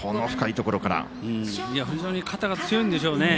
非常に肩が強いんでしょうね。